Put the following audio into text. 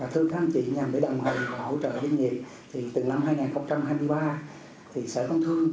thưa các anh chị nhằm để đồng hành hỗ trợ doanh nghiệp từ năm hai nghìn hai mươi ba